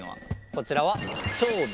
こちらは何？